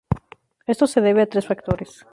Esto se debe a tres factores.